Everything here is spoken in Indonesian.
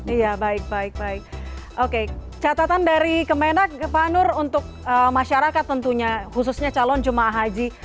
iya baik baik oke catatan dari kemenag panur untuk masyarakat tentunya khususnya calon jum'ah haji